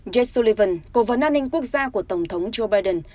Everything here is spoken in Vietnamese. jeff sullivan cổ vấn an ninh quốc gia của tổng thống joe biden